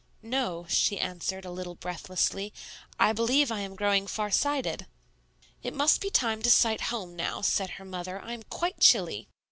"No," she answered a little breathlessly; "I believe I am growing far sighted." "It must be time to sight home now," said her mother; "I am quite chilly."